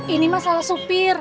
ini masalah supir